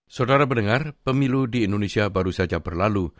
saudara mendengar pemilu di indonesia baru saja berlalu